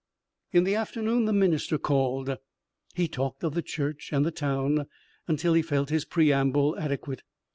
In the afternoon the minister called. He talked of the church and the town until he felt his preamble adequate.